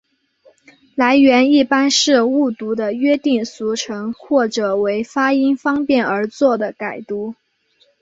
来源一般是误读的约定俗成或者为发音方便而作的改读。